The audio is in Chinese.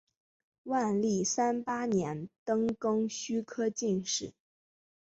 万历三十八年登庚戌科进士。